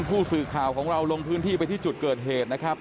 ผู้สื่อข่าวของเราลงพื้นที่ไปที่จุดเกิดเหตุนะครับ